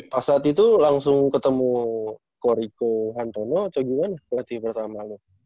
pas saat itu langsung ketemu ko rico hantono atau gimana kelati pertama lo